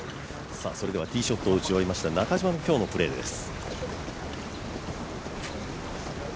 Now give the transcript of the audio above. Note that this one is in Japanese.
それではティーショットを打ち終えました中島の今日のプレーです。